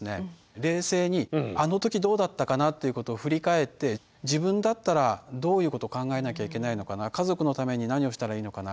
冷静にあの時どうだったかなということを振り返って自分だったらどういうことを考えなきゃいけないのかな家族のために何をしたらいいのかな